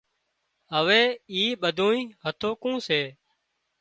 هوي اِي ٻڌونئي هٿُوڪون سي